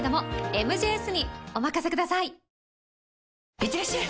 いってらっしゃい！